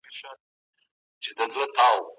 د بې وزلو حق ته غاړه کېږدئ.